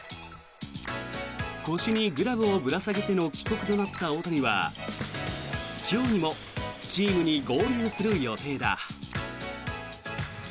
腰にグラブをぶら下げての帰国となった大谷は今日にもチームに合流する予定だ。